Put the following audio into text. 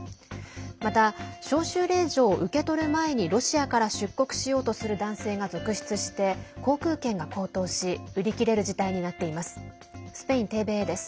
また、召集令状を受け取る前にロシアから出国しようとする男性が続出して航空券が高騰し売り切れる事態になっています。